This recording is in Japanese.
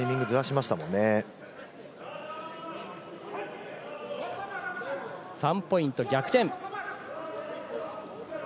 ま３ポイント、逆転。